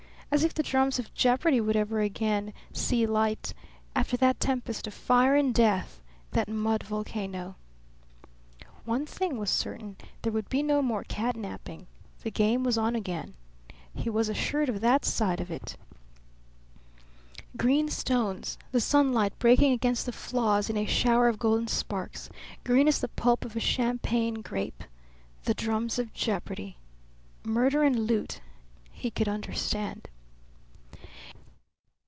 As if the drums of jeopardy would ever again see light, after that tempest of fire and death that mud volcano! One thing was certain there would be no more cat napping. The game was on again. He was assured of that side of it. Green stones, the sunlight breaking against the flaws in a shower of golden sparks; green as the pulp of a Champagne grape; the drums of jeopardy! Murder and loot; he could understand.